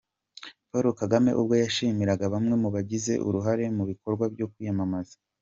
Paul Kagame ubwo yashimiraga bamwe mu bagize uruhare mu bikorwa byo kwiyamamaza.